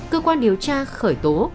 cơ quan điều tra khởi tố